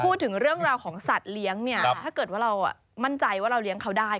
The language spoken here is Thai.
พูดถึงเรื่องราวของสัตว์เลี้ยงเนี่ยถ้าเกิดว่าเรามั่นใจว่าเราเลี้ยงเขาได้